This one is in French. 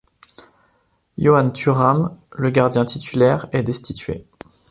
Yohann Thuram, le gardien titulaire, est destitué.